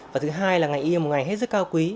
và thứ hai là ngành y là một ngành hết sức cao quý